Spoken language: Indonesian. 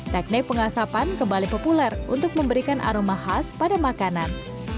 teknik pengasapan kembali populer untuk memberikan aroma khas pada makanan